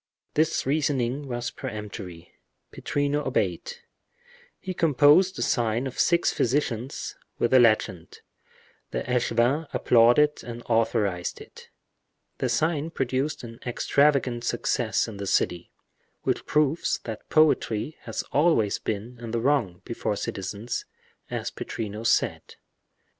This reasoning was peremptory—Pittrino obeyed. He composed the sign of six physicians, with the legend; the echevin applauded and authorized it. The sign produced an extravagant success in the city, which proves that poetry has always been in the wrong, before citizens, as Pittrino said.